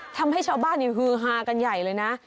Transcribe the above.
ทำให้ชาวบ้านฮือฮากันใหญ่เลยนะ